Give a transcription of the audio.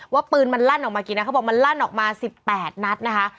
ว่าปืนมันลั่นออกมากี่นัดเขาบอกมันลั่นออกมา๑๘นัดนะคะ